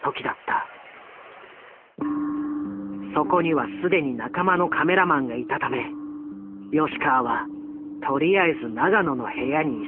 そこには既に仲間のカメラマンがいたため吉川はとりあえず永野の部屋に急いだ。